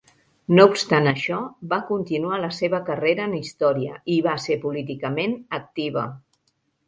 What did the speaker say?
No obstant això, va continuar la seva carrera en història i va ser políticament activa.